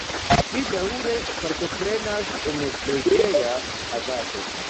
Ŝi daŭre partoprenas en preĝeja agado.